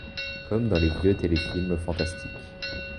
Comme dans les vieux téléfilms fantastiques.